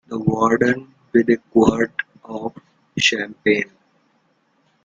The Warden with a quart of champagne.